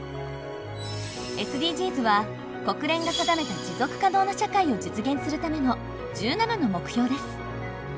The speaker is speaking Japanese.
ＳＤＧｓは国連が定めた持続可能な社会を実現するための１７の目標です。